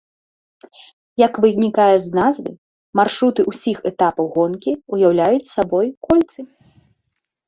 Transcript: Як вынікае з назвы, маршруты ўсіх этапаў гонкі ўяўляюць сабой кольцы.